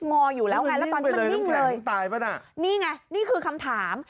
นี่แหละคำถาม